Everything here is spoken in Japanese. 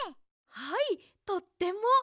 はいとっても。